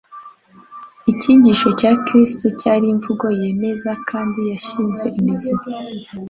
Icyigisho cya Kristo cyari imvugo yemeza kandi yashinze imizi,